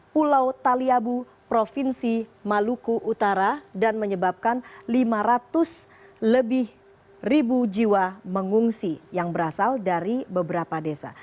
pulau taliabu provinsi maluku utara dan menyebabkan lima ratus lebih ribu jiwa mengungsi yang berasal dari beberapa desa